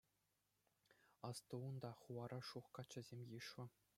Асту унта, хулара шух каччӑсем йышлӑ.